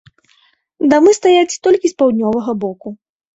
Дамы стаяць толькі з паўднёвага боку.